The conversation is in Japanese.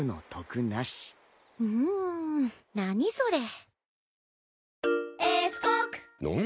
うん何それ？